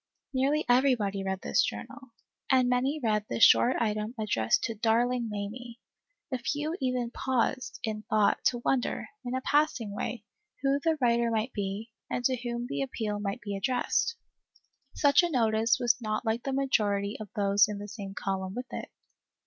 Nearly everybody read this journal, and many read the short item addressed to "Darling Mamie;" a few even paused, in thought, 2 ALICE ; OR, THE WAGES OF SIN. to wonder, in a passing way, who the writer might be, and to whom the appeal might be addressed. Such a notice was not like the majority of those in the same column with it.